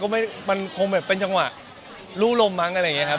มันคงเป็นจังหวะลู่ลมอะไรอย่างงี้ครับ